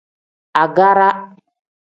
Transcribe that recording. Agaara.